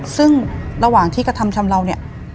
ซึ่งระหว่างที่กระทำชำเลาเนี่ย